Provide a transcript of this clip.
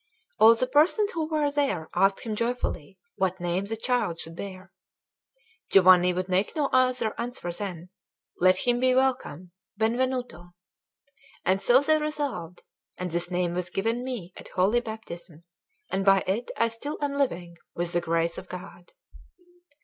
All the persons who were there asked him joyfully what name the child should bear. Giovanni would make no other answer than "Let him be Welcome Benvenuto;" and so they resolved, and this name was given me at Holy Baptism, and by it I still am living with the grace of God.